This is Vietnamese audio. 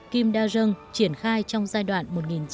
kim da jung triển khai trong giai đoạn